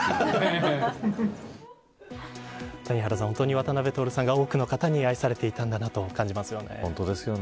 渡辺徹さんが多くの方に愛されていたんだなと感じますよね。